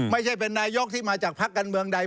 ไม่ใช่เป็นนายกที่มาจากพักการเมืองใด